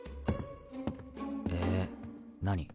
え何？